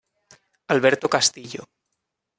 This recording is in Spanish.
Alberto Castillo